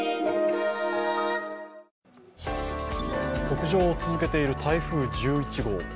北上を続けている台風１１号。